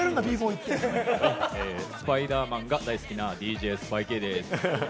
スパイダーマンが大好きなＤＪＳＰＩーＫです。